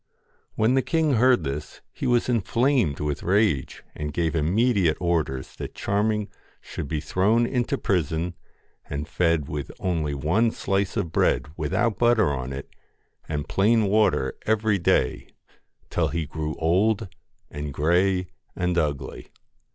When the king heard this, he was inflamed with rage, and gave immediate orders that Charming should be thrown into prison and fed with only one slice of bread without butter on it, and plain water every day, till he grew old and grey and ugly.